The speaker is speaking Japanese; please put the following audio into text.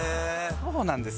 そうなんです。